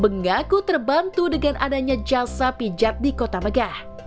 mengaku terbantu dengan adanya jasa pijat di kota megah